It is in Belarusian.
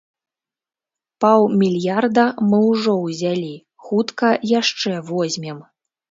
Паўмільярда мы ўжо ўзялі, хутка яшчэ возьмем.